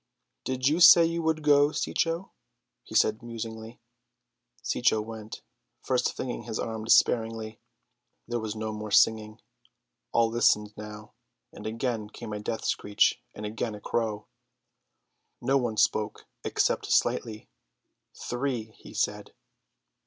"Did you say you would go, Cecco?" he said musingly. Cecco went, first flinging his arms despairingly. There was no more singing, all listened now; and again came a death screech and again a crow. No one spoke except Slightly. "Three," he said.